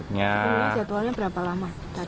sebenarnya jadwalnya berapa lama